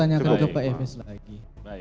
saya tanya ke bps lagi